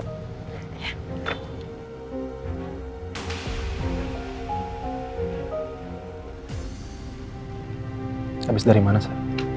habis dari mana sa